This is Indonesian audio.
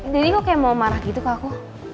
daddy kok kayak mau marah gitu ke aku